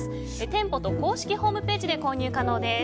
店舗と公式ホームページで購入可能です。